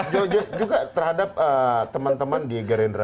joget juga terhadap teman teman di gerindra